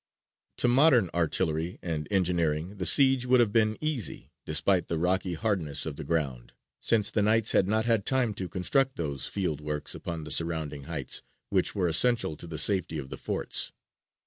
To modern artillery and engineering the siege would have been easy, despite the rocky hardness of the ground, since the Knights had not had time to construct those field works upon the surrounding heights which were essential to the safety of the forts.